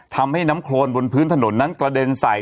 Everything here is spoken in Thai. ทำให้น้ำโครนบนพื้นถนนนั้นกระเด็นใส่